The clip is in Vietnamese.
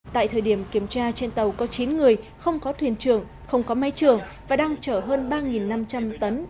tại thời điểm kiểm tra trên tàu có chín người không có thuyền trưởng không có máy trưởng và đang chở hơn ba năm trăm linh tấn